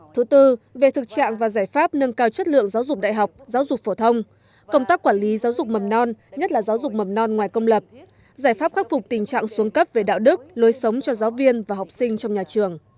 thứ tư về thực trạng và giải pháp nâng cao chất lượng giáo dục đại học giáo dục phổ thông công tác quản lý giáo dục mầm non nhất là giáo dục mầm non ngoài công lập giải pháp khắc phục tình trạng xuống cấp về đạo đức lối sống cho giáo viên và học sinh trong nhà trường